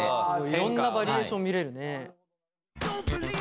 いろんなバリエーション見れるね。